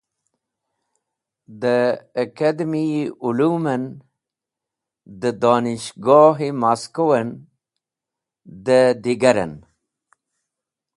Dẽ Akademi-e Ulu men, dẽ Donishgoh-e Moscow en, dẽ digar en.